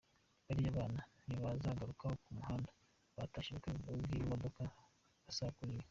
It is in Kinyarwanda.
Bariya bana ntibazagaruke ku muhanda batashye ubukwe bw’imodoka basa kuriya .